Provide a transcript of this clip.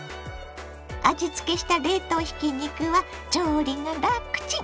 味つけした冷凍ひき肉は調理がラクチン！